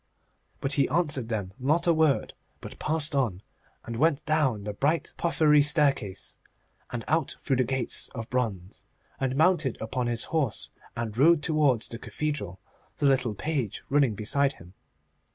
But he answered them not a word, but passed on, and went down the bright porphyry staircase, and out through the gates of bronze, and mounted upon his horse, and rode towards the cathedral, the little page running beside him.